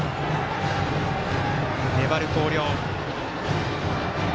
粘る、広陵。